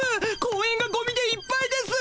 公園がゴミでいっぱいです。